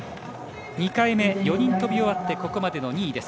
２回目、４人飛び終わってここまでの２位。